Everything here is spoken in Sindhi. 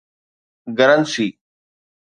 گرنسي